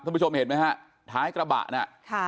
ท่านผู้ชมเห็นไหมครับท้ายกระบะน่ะ